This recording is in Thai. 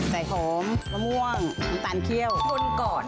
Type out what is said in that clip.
ใส่หอมมะม่วงมันตาลเคี้ยวคนกอด